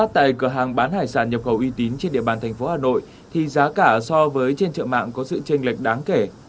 tại cửa hàng bán hải sản nhập khẩu uy tín trên địa bàn thành phố hà nội thì giá cả so với trên trợ mạng có sự tranh lệch đáng kể